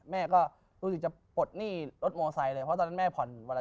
แม่ก็รู้สึกจะปลดหนี้รถมอไซค์เลยเพราะตอนนั้นแม่ผ่อนวันละ